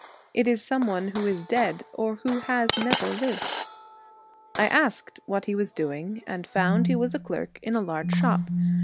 It is some one who is dead or who has never lived.' I asked what he was doing, and found he was clerk in a large shop.